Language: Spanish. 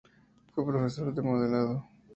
Fue profesor de modelado.